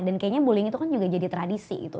dan kayaknya bullying itu kan juga jadi tradisi gitu